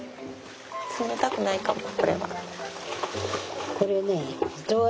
冷たくないかもうこれは。